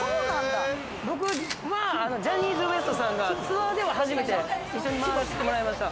僕はジャニーズＷＥＳＴさんが、ツアーでは初めて一緒に回らせてもらいました。